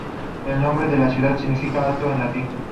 El nombre de la ciudad significa alto en latín.